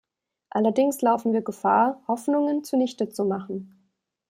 Allerdings laufen wir Gefahr, Hoffnungen zunichte zu machen.